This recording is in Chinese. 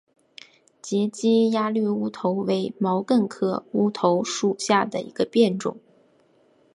截基鸭绿乌头为毛茛科乌头属下的一个变种。